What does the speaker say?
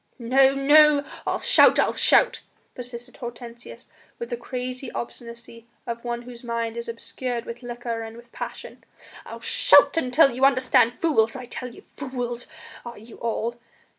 "No! No! I'll shout! I'll shout!" persisted Hortensius with the crazy obstinacy of one whose mind is obscured with liquor and with passion, "I'll shout until you understand. Fools, I tell ye! Fools are ye all!